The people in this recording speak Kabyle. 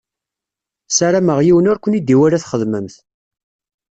Sarameɣ yiwen ur ken-id-iwala txeddmem-t.